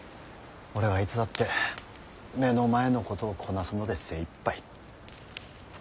俺はいつだって目の前のことをこなすので精いっぱい。